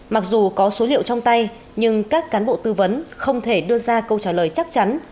mặc dù có số liệu trong tay nhưng các cán bộ tư vấn không thể đưa ra câu trả lời chắc chắn